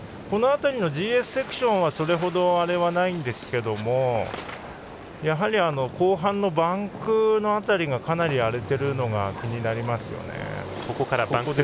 この辺りのＧＳセクションはそれほどないんですけども後半のバンクの辺りがかなり、荒れているのが気になりますね。